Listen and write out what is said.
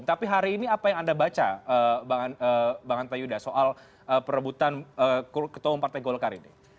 tapi hari ini apa yang anda baca bang anta yuda soal perebutan ketua umum partai golkar ini